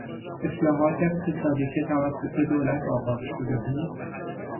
اصلاحات اقتصادی که توسط دولت آغاز شده بود